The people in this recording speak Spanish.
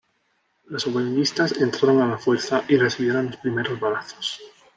Los huelguistas entraron a la fuerza y recibieron los primeros balazos.